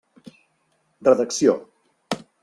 Redacció.